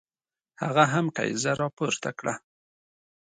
هغه هم کیزه را پورته کړه.